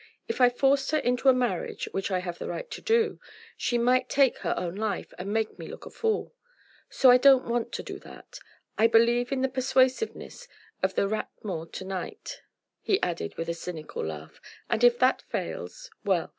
"If I forced her into a marriage, which I have the right to do, she might take her own life and make me look a fool. So I don't want to do that. I believe in the persuasiveness of the Rat Mort to night," he added with a cynical laugh, "and if that fails.... Well!